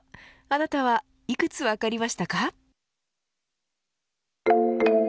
あなたはいくつ分かりましたか。